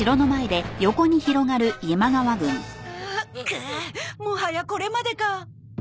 くっもはやこれまでか。